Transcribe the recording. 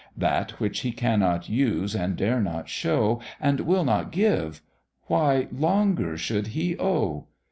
That which he cannot use, and dare not show, And will not give why longer should he owe?